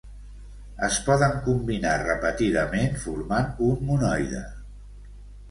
Es poden combinar repetidament, formant un monoide.